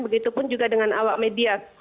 begitu pun juga dengan awak media